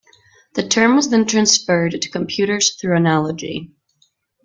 The term was then transferred to computers through analogy.